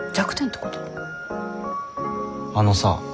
あのさ。